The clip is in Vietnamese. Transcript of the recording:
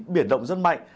biển động rất mạnh